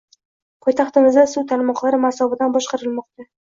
Poytaxtimizda suv tarmoqlari masofadan boshqarilmoqda